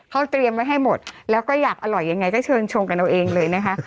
เขาเตรียมไว้ให้หมดแล้วก็อยากอร่อยยังไงก็เชิญชมกันเอาเองเลยนะคะ